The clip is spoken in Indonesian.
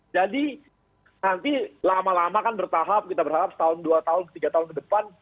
jadi nanti lama lama kan bertahap kita berharap satu tahun dua tahun tiga tahun ke depan